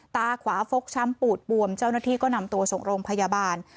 ตาขวาฟกช้ำปูดบวมเจ้าหน้าที่ก็นำตัวส่งโรงพยาบาล